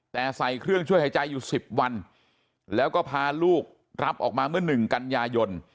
แต่ใส่เครื่องช่วยหายใจอยู่๑๐วันแล้วก็พาลูกรับออกมาเมื่อ๑กันยายน